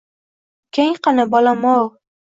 — Ukang qani, bolam-ov?